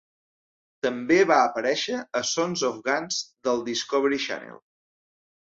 També va aparèixer a "Sons of Guns" del Discovery Channel.